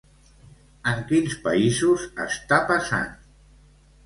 En quins països està passant?